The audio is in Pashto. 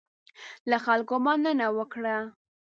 له خلکو مننه وکړه.